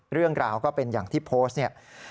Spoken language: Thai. เรื่องราวก็เป็นอย่างที่โพสต์เนี่ย